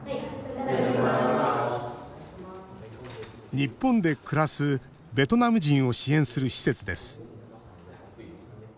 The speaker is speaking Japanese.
日本で暮らすベトナム人を支援する施設です。